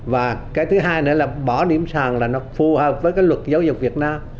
và cái thứ hai nữa là bỏ điểm sàng là nó phù hợp với cái luật giáo dục việt nam